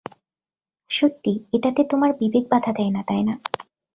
সত্যিই এটাতে তোমার বিবেক বাধা দেয়না, তাইনা?